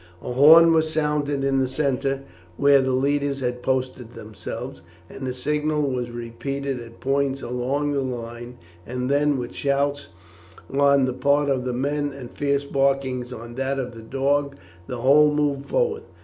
A horn was sounded in the centre where the leaders had posted themselves, and the signal was repeated at points along the line, and then, with shouts on the part of the men and fierce barkings on that of the dogs, the whole moved forward.